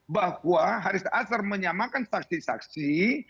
bahwa haris azhar menyamakan saksi saksi